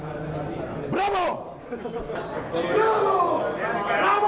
ブラボー！